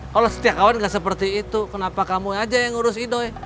kalau setiap kawan gak seperti itu kenapa kamu aja yang ngurus idoi